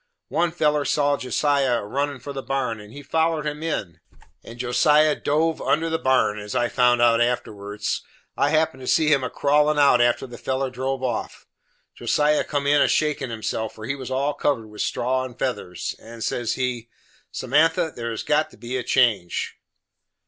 One feller see Josiah a runnin' for the barn, and he follered him in, and Josiah dove under the barn, as I found out afterwards. I happened to see him a crawlin' out after the feller drove off. Josiah come in a shakin' himself for he was all covered with straw and feathers and says he: "Samantha there has got to be a change."